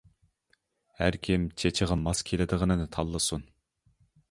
ھەر كىم چېچىغا ماس كېلىدىغىنىنى تاللىسۇن.